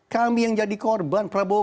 kami yang jadi korban prabowo